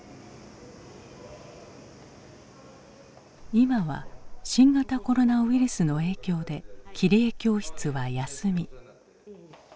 今は新型コロナウイルスの影響で切り絵教室は休み。